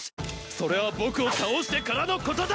それは僕を倒してからのことだ！